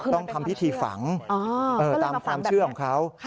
ต้องทำพิธีฝังตามความเชื่อของเขา